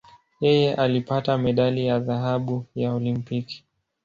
Yeye alipata medali ya dhahabu ya Olimpiki.